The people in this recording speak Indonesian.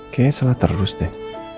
kayaknya salah terus deh